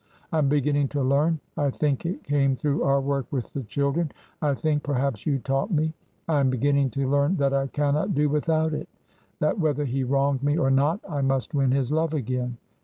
I am beginning to learn — I think it came through our work with the children ; I think perhaps you taught me — I am beginning to learn that I cannot do without it. That whether he wronged me or not, I must win his love again."